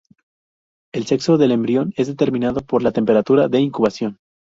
El sexo del embrión es determinado por la temperatura de incubación.